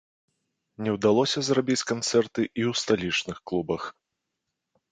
Не ўдалося зрабіць канцэрты і ў сталічных клубах.